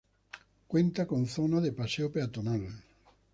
Cuenta con zona de paseo peatonal.